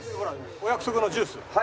お約束のジュース。